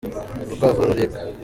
urukwavu ruraribwa